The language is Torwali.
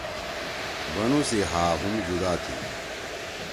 بنُو سی ہآ ہُم جدا تھی۔